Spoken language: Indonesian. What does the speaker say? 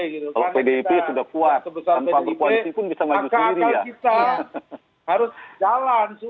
kalau pdip sudah kuat tanpa berpojok pun bisa